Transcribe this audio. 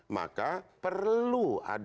maka perlu anda